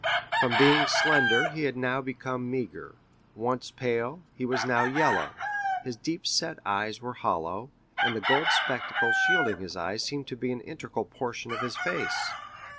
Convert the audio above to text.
From being slender he had now become meagre; once pale, he was now yellow; his deep set eyes were hollow, and the gold spectacles shielding his eyes seemed to be an integral portion of his face.